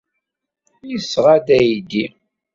Yesɣa-d aydi.